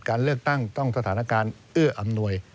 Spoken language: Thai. การเลือกตั้งต้องสถานการณ์เอื้ออำนวย